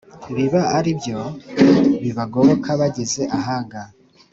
biba ari byo bibagoboka bageze ahaga.